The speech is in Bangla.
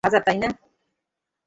ভাজা, তাই না?